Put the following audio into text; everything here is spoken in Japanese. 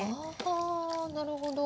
あなるほど。